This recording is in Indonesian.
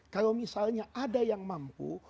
kalau misalnya ada yang mampu